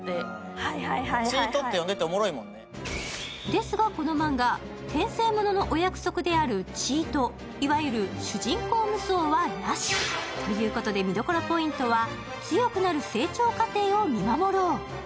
ですがこのマンガ、転生もののお約束であるチート、いわゆる主人公無双はなし。ということで見どころポイントは強くなる成長過程を見守ろう。